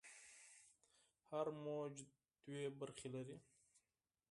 هر موج دوې برخې لري.